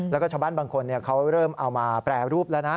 แล้วก็ชาวบ้านบางคนเขาเริ่มเอามาแปรรูปแล้วนะ